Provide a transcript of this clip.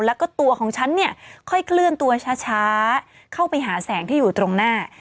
แล้วก็ตัวของฉันเนี่ยค่อยเคลื่อนตัวช้าเข้าไปหาแสงที่อยู่ตรงหน้า